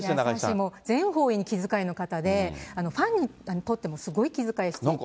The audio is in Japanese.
もう全方位に気遣いの方で、ファンにとってもすごい気遣いしてて。